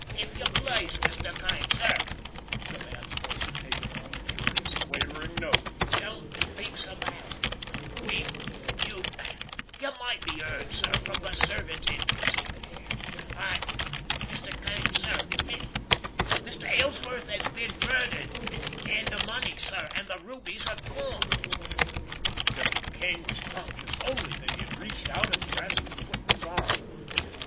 "If you please, Mr. Kane, sir"—the man's voice had taken on a curious, quavering note—"don't speak so loud. We—you—you might be heard, sir, from the servants' entrance over there. I—Mr. Kane, sir—Mr. Ellsworth has been murdered, and the money, sir, and the rubies are gone." Billy Kane was conscious only that he had reached out and grasped the footman's arm.